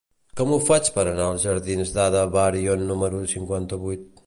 Com ho faig per anar als jardins d'Ada Byron número cinquanta-vuit?